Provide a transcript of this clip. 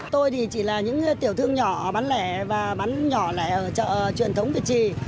tôi thì chỉ là những tiểu thương nhỏ bán lẻ và bán nhỏ lẻ ở chợ truyền thống việt trì